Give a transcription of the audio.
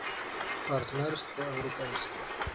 Partnerstwo europejskie"